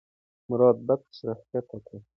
مراد بکس راښکته کړ.